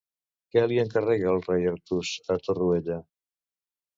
Què li encarrega el rei Artús a Torroella?